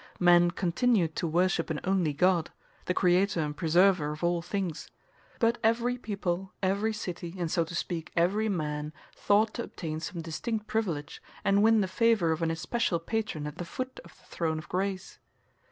Men continued to worship an only God, the Creator and Preserver of all things; but every people, every city, and, so to speak, every man, thought to obtain some distinct privilege, and win the favor of an especial patron at the foot of the Throne of Grace.